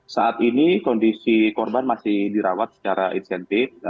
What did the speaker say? saat ini kondisi korban masih dirawat secara insentif